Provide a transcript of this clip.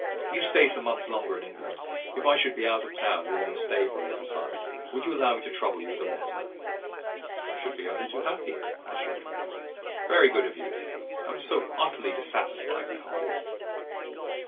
"You stay some months longer in England. If I should be out of town during your stay for a little time, would you allow me to trouble you with a letter?" "I should be only too happy," I assured him. "Very good of you. I am so utterly dissatisfied with Harley."